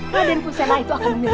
maria dan fusena itu akan memilih aku